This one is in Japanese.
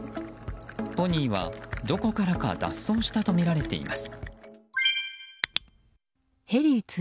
ポニーはどこからか脱走したとみられています。